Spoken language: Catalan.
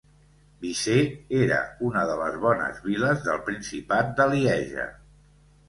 Visé era una de les bones viles del principat de Lieja.